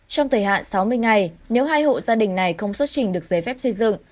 trong thời hạn sáu mươi ngày nếu hai hộ gia đình này không xuất trình được giấy phép xây dựng